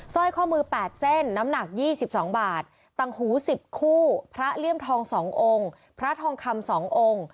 สร้อยข้อมือ๘เส้นน้ำหนัก๒๒บาทตังหู๑๐คู่พระเลี่ยมทอง๒องค์พระทองคำ๒องค์